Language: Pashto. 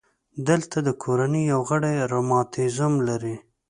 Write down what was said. دلته د کورنۍ یو غړی رماتیزم لري.